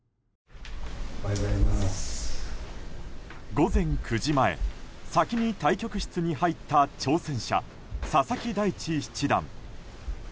午前９時前先に対局室に入った挑戦者・佐々木大地七段。